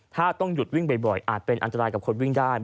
ถ้าต้องหยุดวิ่งบ่อยอาจเป็นอันตรายกับคนวิ่งได้